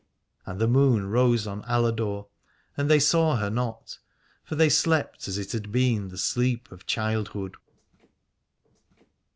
And the moon rose on Ala dore, and they saw her not : for they slept as it had been the sleep of childhood.